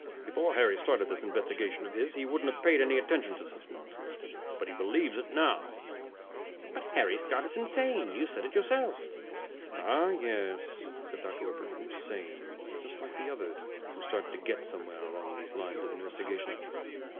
Before Harry started this investigation of his, he wouldn't have paid any attention to such nonsense. But he believes it now." "But Harry Scott is insane. You said it yourself." "Ah, yes," said Dr. Webber. "Insane. Just like the others who started to get somewhere along those lines of investigation.